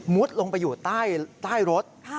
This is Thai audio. ลงไปอยู่ใต้รถ